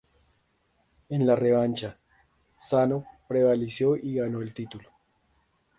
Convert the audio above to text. En la revancha, Sano prevaleció y ganó el título.